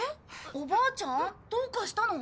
おばあちゃんどうかしたの？